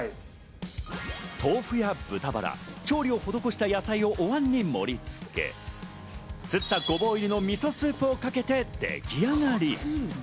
豆腐や豚バラ、調理を施した野菜をお碗に盛り付け、すったごぼう入りのみそスープをかけて、でき上がり。